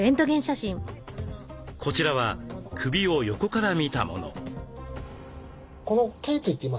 こちらは首を横から見たもの。